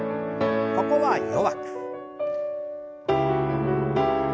ここは弱く。